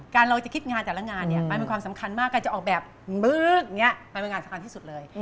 เราจะคิดงานแต่ละงานเนี่ยมันเป็นความสำคัญมากการจะออกแบบบึ๊กอย่างนี้มันเป็นงานสำคัญที่สุดเลย